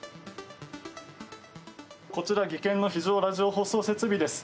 こちら技研の非常ラジオ放送設備です。